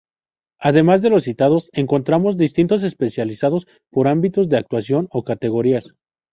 Además de los citados, encontramos distintos especializados por ámbitos de actuación o categorías.